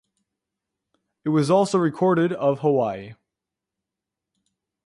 It was also recorded of Hawaii.